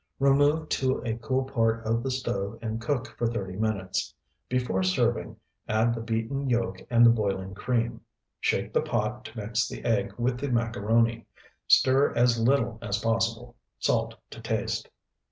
Remove to a cool part of the stove and cook for thirty minutes. Before serving, add the beaten yolk and the boiling cream. Shake the pot to mix the egg with the macaroni. Stir as little as possible. Salt to taste.